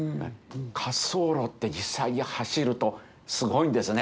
滑走路って実際に走るとすごいんですね。